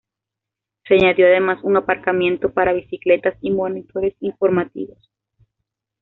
Se añadió además un aparcamiento para bicicletas y monitores informativos.